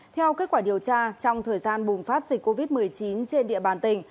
theo kết quả điều tra trong thời gian bùng phát dịch covid một mươi chín trên địa bàn tỉnh